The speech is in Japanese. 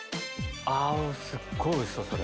すっごいおいしそう！